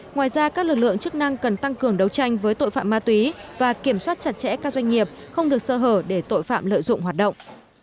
ngoài ra các lực lượng chức năng cần tăng cường đấu tranh với tội phạm ma túy và kiểm soát chặt chẽ các doanh nghiệp không được sơ hở để tội phạm lợi dụng hoạt động